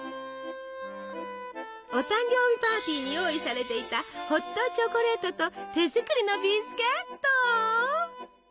お誕生日パーティーに用意されていたホットチョコレートと手作りのビスケット。